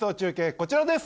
こちらです